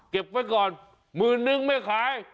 เก็บไว้ก่อนหมื่นนึงไม่ขาย